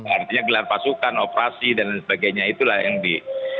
artinya gelar pasukan operasi dan sebagainya itulah yang di